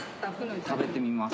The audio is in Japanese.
食べてみます。